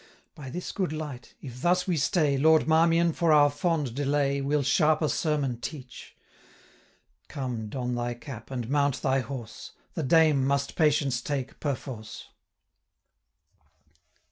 By this good light! if thus we stay, Lord Marmion, for our fond delay, 935 Will sharper sermon teach. Come, don thy cap, and mount thy horse; The Dame must patience take perforce.'